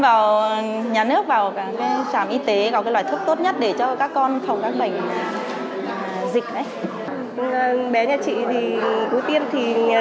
bé nhà chị thì cứ tiêm thì tình quả có những cái mũi mà tiêm không thì về